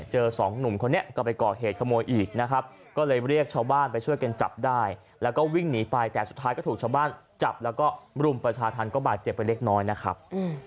ชาวบ้านจับแล้วก็รุมประชาธารก็บาดเจ็บไปเล็กน้อยนะครับ